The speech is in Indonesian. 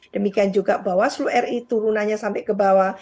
demikian juga bawaslu ri turunannya sampai ke bawah